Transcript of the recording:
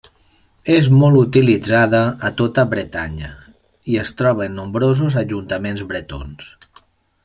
És molt utilitzada a tota Bretanya i es troba en nombrosos ajuntaments bretons.